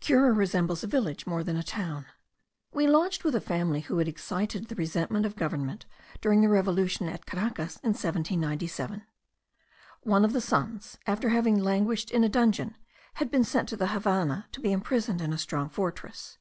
Cura resembles a village more than a town. We lodged with a family who had excited the resentment of government during the revolution at Caracas in 1797. One of the sons, after having languished in a dungeon, had been sent to the Havannah, to be imprisoned in a strong fortress.